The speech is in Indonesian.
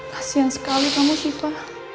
kasian sekali kamu siva